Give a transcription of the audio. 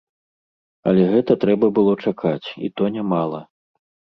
Але гэта трэба было чакаць, і то нямала.